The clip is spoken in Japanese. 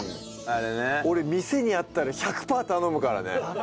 俺店にあったら１００パー頼むからね。